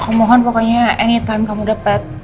aku mohon pokoknya any time kamu dapet